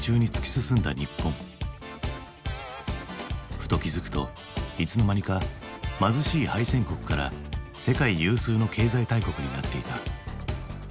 ふと気付くといつの間にか貧しい敗戦国から世界有数の経済大国になっていた。